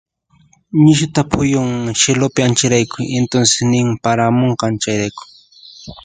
Nishuta phuyunn cielupi ancharayku y entonces nin paramunqan chay.